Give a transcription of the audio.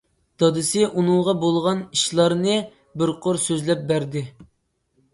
دادىسى ئۇنىڭغا بولغان ئىشلارنى بىر قۇر سۆزلەپ بەردى.